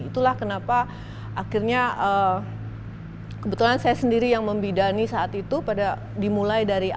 itulah kenapa akhirnya kebetulan saya sendiri yang membidani saat itu pada dimulai dari